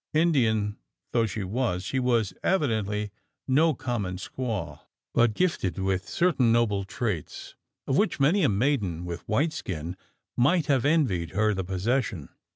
Indian though she was, she was evidently no common squaw; but gifted with certain noble traits, of which many a maiden with white skin might have envied her the possession.